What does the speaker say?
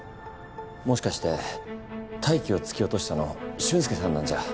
もしかして泰生を突き落としたの俊介さんなんじゃ？